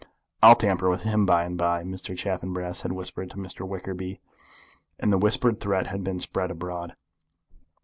"I'll tamper with him by and bye," Mr. Chaffanbrass had whispered to Mr. Wickerby, and the whispered threat had been spread abroad.